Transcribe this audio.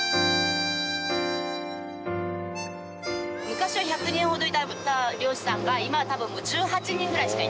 昔は１００人ほどいた漁師さんが今は多分もう１８人ぐらいしかいないんです。